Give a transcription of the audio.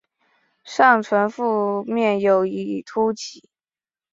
上唇腹面有一突起。